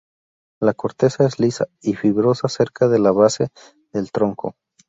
La corteza es lisa, y fibrosa cerca de la base del tronco.